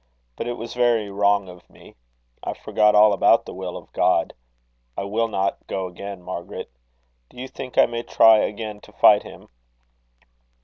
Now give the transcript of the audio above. But it was very wrong of me. I forgot all about the will of God. I will not go again, Margaret. Do you think I may try again to fight him?"